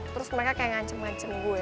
terus mereka kayak ngancem ngancem gue